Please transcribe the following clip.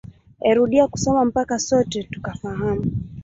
Erudia kusoma mpaka sote tukafahamu